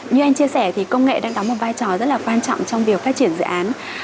như anh chia sẻ thì công nghệ đang đóng một vai trò rất là quan trọng trong việc phát triển dự án